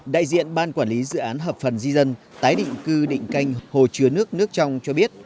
đại diện ban quản lý dự án hợp phần di dân tái định cư định canh hồ chứa nước nước trong cho biết